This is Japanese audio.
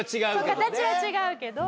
形は違うけど。